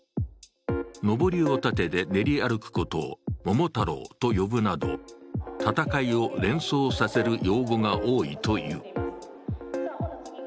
のぼりを立てて練り歩くことを桃太郎と呼ぶなど、戦いを連想させる用語が多いという。